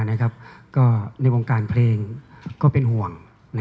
ในวงการเพลงก็เป็นห่วง